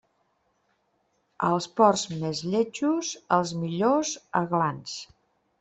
Als porcs més lletjos, els millors aglans.